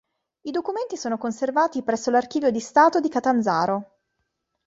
I documenti sono conservati presso l'Archivio di Stato di Catanzaro.